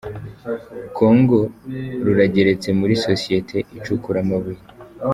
kongo Rurageretse muri Sosiyete icukura amabuye